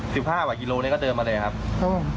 เดินมา๑๕กิโลก็เดินมาเลยครับครับผม